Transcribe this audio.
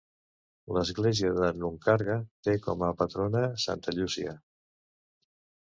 L'església de Nuncarga té com a patrona Santa Llúcia.